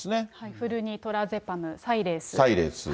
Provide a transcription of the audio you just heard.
フルニトラゼパム、サイレース。